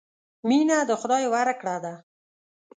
مینه د خدای ورکړه ده.